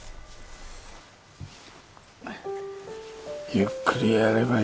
ゆっくりやればいいんだ。